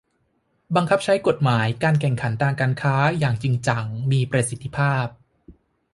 บังคับใช้กฎหมายการแข่งขันทางการค้าอย่างจริงจัง มีประสิทธิภาพ